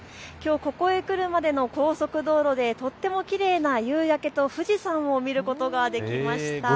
ここへ来るまでの高速道路でとってもきれいな夕焼けと富士山を見ることができました。